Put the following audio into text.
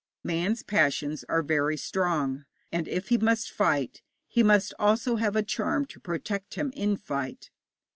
Man's passions are very strong, and if he must fight, he must also have a charm to protect him in fight.